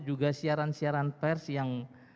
juga siaran siaran pers yang